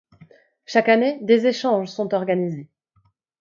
Chaque année, des échanges sont organisés.